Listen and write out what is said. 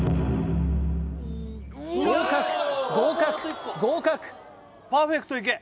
合格合格合格パーフェクトいけ！